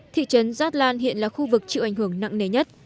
thị trấn jatlan hiện là khu vực chịu ảnh hưởng nặng nề nhất